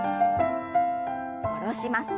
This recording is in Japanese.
下ろします。